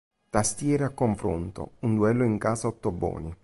Tastiere a confronto: Un duello in casa Ottoboni".